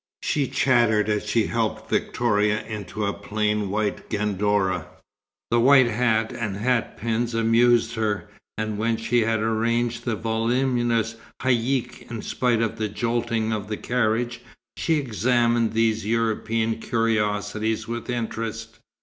She chattered as she helped Victoria into a plain white gandourah. The white hat and hat pins amused her, and when she had arranged the voluminous haïck in spite of the joltings of the carriage, she examined these European curiosities with interest.